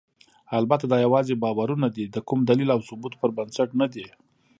البته دا یواځې باورونه دي، د کوم دلیل او ثبوت پر بنسټ نه دي.